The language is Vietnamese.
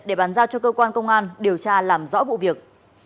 để bàn giao cho cơ quan công an điều tra làm rõ vụ việc